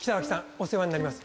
お世話になります。